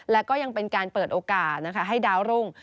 และก็ยังเป็นการเปิดโอกาสนะคะให้ดาวรุ่ง